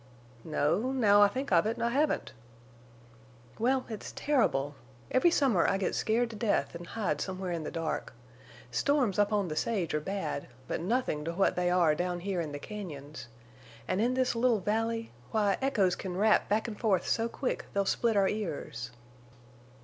"No, now I think of it, I haven't." "Well, it's terrible. Every summer I get scared to death and hide somewhere in the dark. Storms up on the sage are bad, but nothing to what they are down here in the cañons. And in this little valley—why, echoes can rap back and forth so quick they'll split our ears."